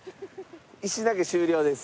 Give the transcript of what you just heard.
石投げ終了です。